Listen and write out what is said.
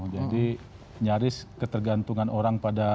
nyaris ketergantungan orang pada